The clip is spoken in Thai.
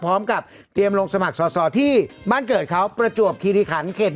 พร้อมกับเตรียมลงสมัครสอสอที่บ้านเกิดเขาประจวบคิริขันเขต